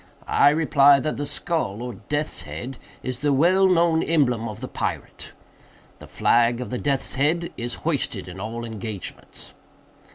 I reply that the skull, or death's head, is the well known emblem of the pirate. The flag of the death's head is hoisted in all engagements.